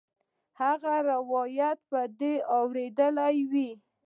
هغه روايت خو به دې اورېدلى وي.